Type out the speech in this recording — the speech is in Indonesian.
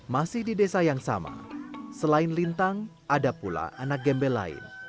masih di desa yang sama selain lintang ada pula anak gembel lain